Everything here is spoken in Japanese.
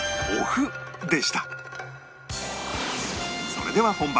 それでは本番